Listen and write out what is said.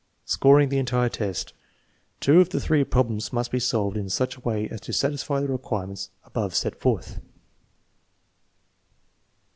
Scoring the entire test. Two of the three problems must be solved in such a way as to satisfy the requirements above set forth.